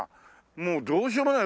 もうどうしようもない。